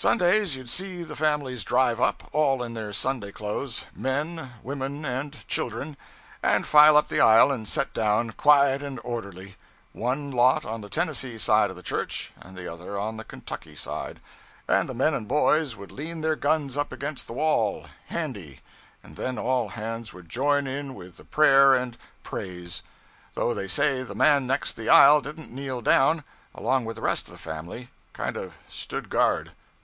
Sundays you'd see the families drive up, all in their Sunday clothes, men, women, and children, and file up the aisle, and set down, quiet and orderly, one lot on the Tennessee side of the church and the other on the Kentucky side; and the men and boys would lean their guns up against the wall, handy, and then all hands would join in with the prayer and praise; though they say the man next the aisle didn't kneel down, along with the rest of the family; kind of stood guard.